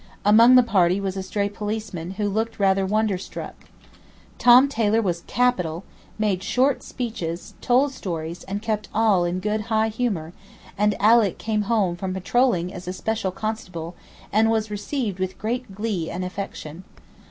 Among the party was a stray policeman, who looked rather wonder struck. Tom Taylor was capital, made short speeches, told stories, and kept all in high good humour; and Alick came home from patrolling as a special constable, and was received with great glee and affection.